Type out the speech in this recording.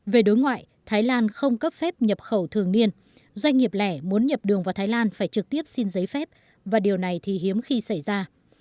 về đối ngoại thái lan không cấp phép nhập khẩu thường niên doanh nghiệp lẻ muốn nhập đường vào thái lan phải trực tiếp xin giấy phép và điều này thì hiếm khi xảy ra